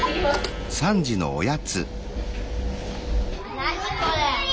何これ。